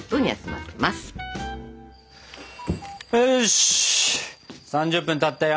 よし３０分たったよ。